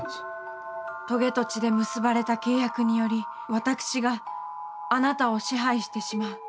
棘と血で結ばれた契約により私があなたを支配してしまう。